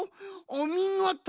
おみごと！